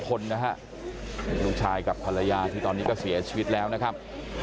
คนนะฮะลูกชายกับภรรยาที่ตอนนี้ก็เสียชีวิตแล้วนะครับ